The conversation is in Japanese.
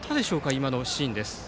今のシーンです。